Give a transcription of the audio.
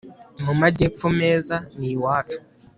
Mu majyepfo meza ni iwacu